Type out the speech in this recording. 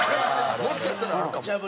もしかしたらあるかも。